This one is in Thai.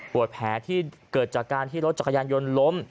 แผลที่เกิดจากการที่รถจักรยานยนต์ล้ม